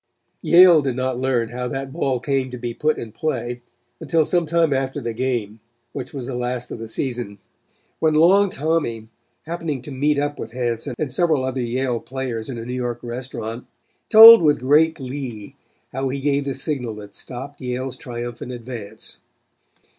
Yale did not learn how that ball came to be put in play until some time after the game, which was the last of the season, when Long Tommy happening to meet up with Hanson and several other Yale players in a New York restaurant, told with great glee how he gave the signal that stopped Yale's triumphant advance.